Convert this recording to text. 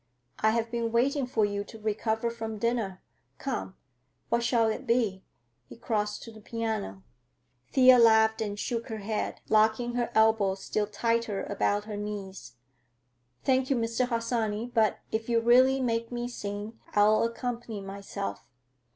I have been waiting for you to recover from dinner. Come, what shall it be?" he crossed to the piano. Thea laughed and shook her head, locking her elbows still tighter about her knees. "Thank you, Mr. Harsanyi, but if you really make me sing, I'll accompany myself.